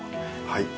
はい。